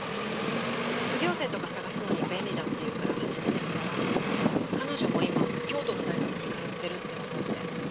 卒業生とか探すのに便利だっていうから始めてみたら彼女も今京都の大学に通ってるってわかって。